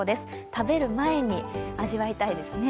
食べる前に味わいたいですね。